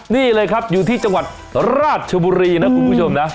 นี่เลยครับอยู่ที่จังหวัดราชบุรีนะคุณผู้ชมนะ